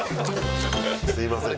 すみません。